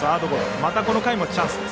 また、この回もチャンスです。